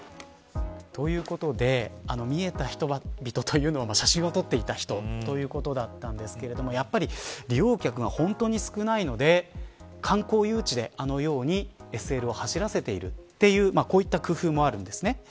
ということで、見えた人は写真を撮っていた人ということだったんですけれどもやっぱり利用客が本当に少ないので観光誘致であのようにＳＬを走らせているというこういった工夫もあるんです。